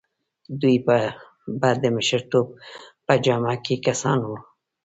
دوی به د مشرتوب په جامه کې کسان وو.